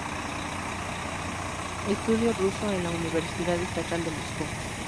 Estudió ruso en la Universidad Estatal de Moscú.